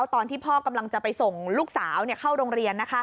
ตอนที่พ่อกำลังจะไปส่งลูกสาวเข้าโรงเรียน